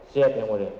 siap yang mulia